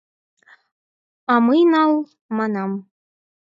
— А мый — нал, манам!